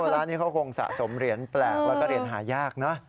ร้านนี้เขาคงสะสมเหรียญแปลกแล้วก็เหรียญหายากนะ